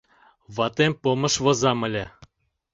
Ватем помыш возам ыле.